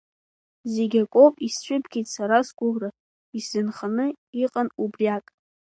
Зегь акоуп исцәыбгеит сара сгәыӷра, исзынханы иҟан убриак…